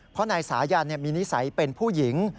เพราะนายสายันมีนิสัยเป็นผู้หญิง